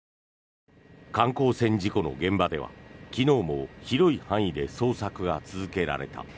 観光船事故の現場では昨日も広い範囲で捜索が続けられた。